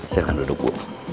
silahkan duduk bu